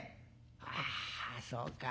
「ああそうか。